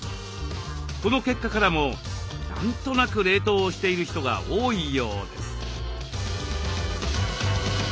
この結果からも何となく冷凍をしている人が多いようです。